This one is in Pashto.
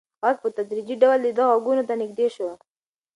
غږ په تدریجي ډول د ده غوږونو ته نږدې شو.